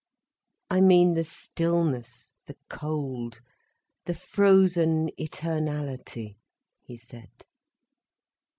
"I mean the stillness, the cold, the frozen eternality," he said.